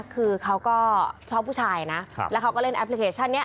คือเขาก็ชอบผู้ชายนะแล้วเขาก็เล่นแอปพลิเคชันนี้